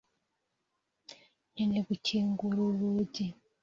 Nkeneye gukingura uru rugi.